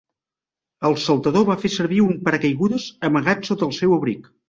El saltador va fer servir un paracaigudes amagat sota el seu abric.